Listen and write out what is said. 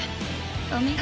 お見事。